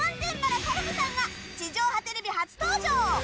原サロメさんが地上波テレビ初登場！